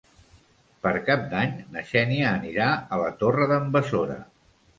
Per Cap d'Any na Xènia anirà a la Torre d'en Besora.